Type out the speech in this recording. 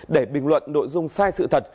để bình luận nội dung sai sự thật